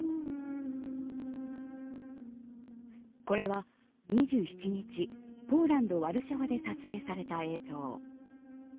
これは２７日ポーランドワルシャワで撮影された映像。